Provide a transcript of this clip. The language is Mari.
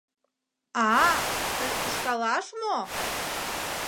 А-а, тый ушкалаш мо!